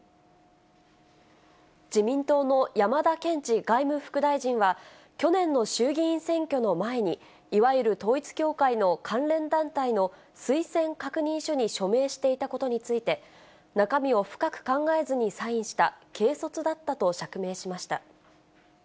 自民党の山田賢司外務副大臣は、去年の衆議院選挙の前に、いわゆる統一教会の関連団体の推薦確認書に署名していたことについて、中身を深く考えずにサインした、軽率だったと釈明しました。